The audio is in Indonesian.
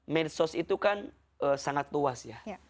medsos itu kan sangat luas ya